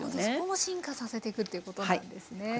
そこも進化させていくっていうことなんですね。